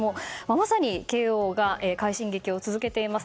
まさに、慶応が快進撃を続けています。